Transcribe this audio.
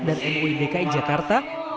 dari dki jakarta